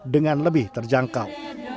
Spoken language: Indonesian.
dengan lebih terjangkau